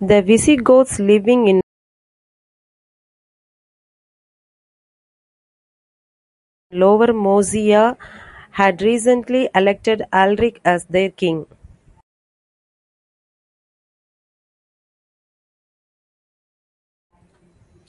The Visigoths living in Lower Moesia had recently elected Alaric as their king.